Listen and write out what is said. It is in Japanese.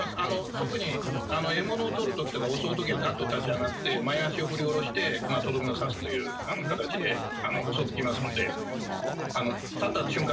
特に獲物を取る時とか襲う時はガッと立ち上がって前足を振り下ろしてとどめを刺すという形で襲ってきますので立った瞬間